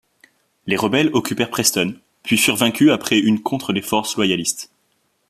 Les rebelles occupèrent Preston puis furent vaincus après une contre les forces loyalistes.